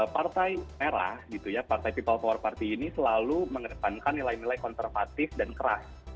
partai merah ini selalu mengedepankan nilai nilai konservatif dan keras menghadapi korea utara